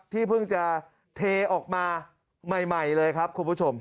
เพิ่งจะเทออกมาใหม่เลยครับคุณผู้ชม